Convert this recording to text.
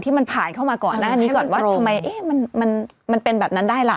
มันผ่านเข้ามาก่อนหน้านี้ก่อนว่าทำไมมันเป็นแบบนั้นได้ล่ะ